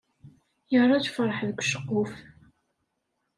Yerra lferḥ deg uceqquf.